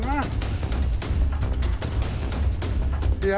แบบนี้คือแบบนี้คือแบบนี้คือ